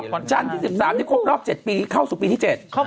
วันจานที่๑๓ที่ครบถึงัก๗ปีเข้าสู่ปีที่๗